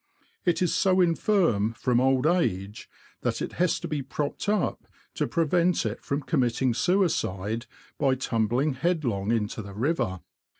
It is so infirm from old age, that it has to be propped up to prevent it from committing suicide by tumbling headlong into the river.